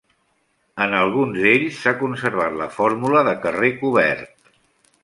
En alguns d'ells s'ha conservat la fórmula de carrer cobert.